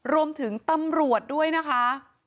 รวมถึงตำรวจด้วยนะคะ